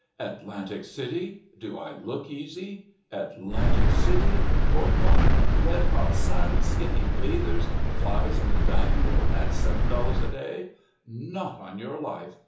"Atlantic City! Do I look easy? Atlantic City, boardwalk, red hot sun, skinny bathers, flies in the dining room, at $7 a day? Not on your life!